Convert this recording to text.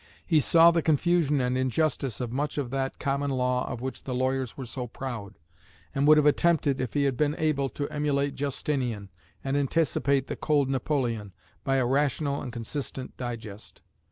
He saw the confusion and injustice of much of that common law of which the lawyers were so proud; and would have attempted, if he had been able, to emulate Justinian, and anticipate the Code Napoleon, by a rational and consistent digest.